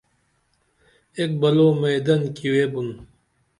ایک بلو میدن کی ویبُن